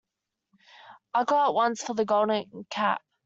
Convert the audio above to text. I'll go at once for the Golden Cap.